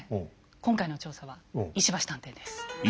今回の調査は石橋探偵です。